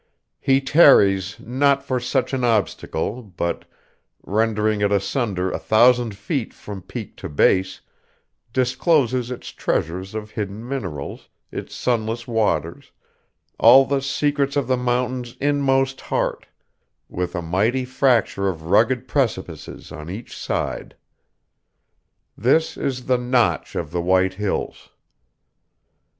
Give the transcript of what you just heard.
He tarries not for such an obstacle, but, rending it asunder a thousand feet from peak to base, discloses its treasures of hidden minerals, its sunless waters, all the secrets of the mountain's inmost heart, with a mighty fracture of rugged precipices on each side. This is the Notch of the White Hills.